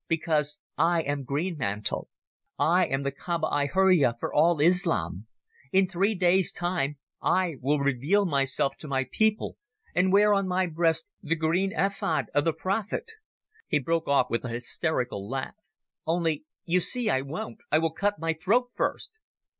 Because I am Greenmantle. I am the Kaába i hurriyeh for all Islam. In three days' time I will reveal myself to my people and wear on my breast the green ephod of the prophet." He broke off with an hysterical laugh. "Only you see, I won't. I will cut my throat first."